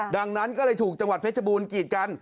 ดังนั้นก็เลยถูกจังหวัดเพชรบูรณกีดกัน